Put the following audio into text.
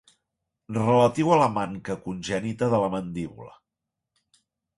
Relatiu a la manca congènita de la mandíbula.